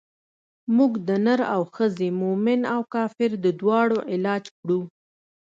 موږ د نر او ښځې مومن او کافر د دواړو علاج کړو.